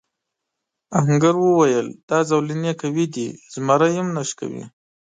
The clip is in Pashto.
آهنګر وویل دا زولنې قوي دي زمری هم نه شکوي.